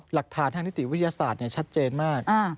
หลักฐานทางนิติวิทยาศาสตร์ชัดเจนมาก